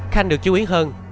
khanh được chú ý hơn